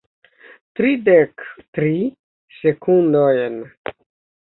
... tridek tri sekundojn